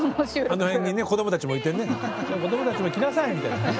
あの辺にね子供たちもいてね子供たちも来なさいみたいなね。